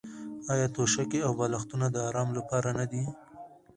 آیا توشکې او بالښتونه د ارام لپاره نه دي؟